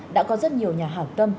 đã có rất nhiều nhà hảo tâm